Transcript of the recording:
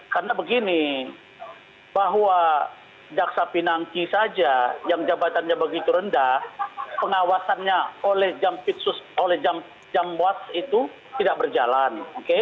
karena begini bahwa jaksa pinangki saja yang jabatannya begitu rendah pengawasannya oleh jam wad itu tidak berjalan